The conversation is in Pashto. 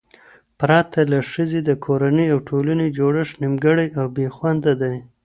پرته له ښځې، د کورنۍ او ټولنې جوړښت نیمګړی او بې خونده دی